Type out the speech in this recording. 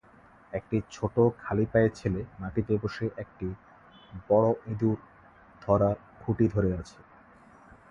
একটি ছোট খালি পায়ে ছেলে মাটিতে বসে একটি বড় ইঁদুর ধরার খুঁটি ধরে আছে।